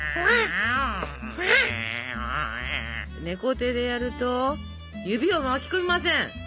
猫手でやると指を巻き込みません。